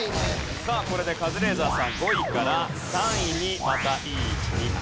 さあこれでカズレーザーさん５位から３位にまたいい位置に上がります。